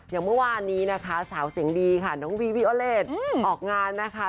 อย่างเมื่อวานนี้นะคะสาวเสียงดีค่ะน้องวีวีโอเลสออกงานนะคะ